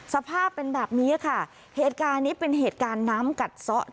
สภาพเป็นแบบนี้ค่ะเหตุการณ์นี้เป็นเหตุการณ์น้ำกัดซะ